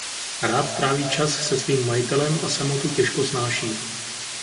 Rád tráví čas se svým majitelem a samotu těžko snáší.